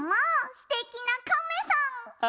すてきなカメさん。